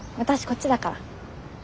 こっちだから。